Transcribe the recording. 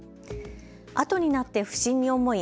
あとになって不審に思い